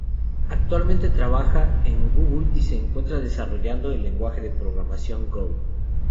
Actualmente trabaja en Google y se encuentra desarrollando el lenguaje de programación Go.